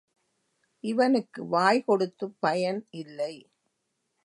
இவனுக்கு வாய் கொடுத்துப் பயன் இல்லை.